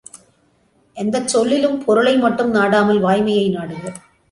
எந்தச் சொல்லிலும் பொருளை மட்டும் நாடாமல் வாய்மையை நாடுக.